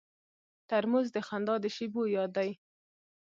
ترموز د خندا د شیبو یاد دی.